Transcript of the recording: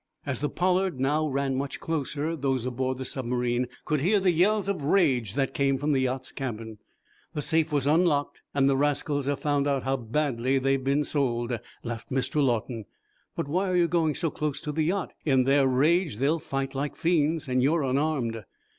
As the "Pollard" now ran much closer, those aboard the submarine could hear the yells of rage that came from the yacht's cabin. "The safe was unlocked, and the rascals have found out how badly they've been sold," laughed Mr. Lawton. "But why are you going so close to the yacht? In their rage, they'll fight like fiends, and you are unarmed."